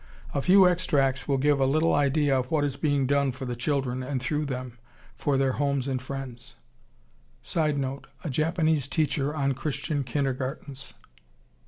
A few extracts will give a little idea of what is being done for the children and through them for their homes and friends. [Sidenote: A Japanese teacher on Christian kindergartens.